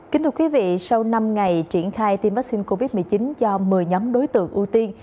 kính thưa quý vị sau năm ngày triển khai tiêm vaccine covid một mươi chín cho một mươi nhóm đối tượng ưu tiên